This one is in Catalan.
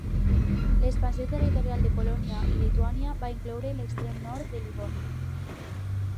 L'expansió territorial de Polònia i Lituània va incloure l'extrem nord de Livònia.